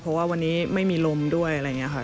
เพราะว่าวันนี้ไม่มีลมด้วยอะไรอย่างนี้ค่ะ